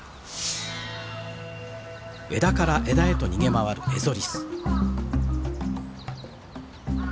枝から枝へと逃げ回るエゾリス。